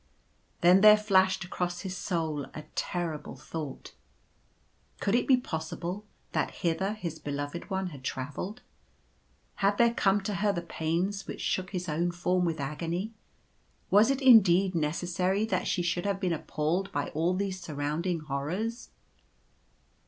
Then there flashed across his soul a terrible thought — Could it be possible that hither his Beloved One had travelled? Had there come to her the pains which shook his own form with agony ? Was it indeed neces sary that she should have been appalled by all these surrounding horrors